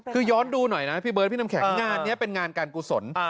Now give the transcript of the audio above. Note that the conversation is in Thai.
คือย้อนดูหน่อยนะพี่เบิร์ดพี่น้ำแข็งงานนี้เป็นงานการกุศล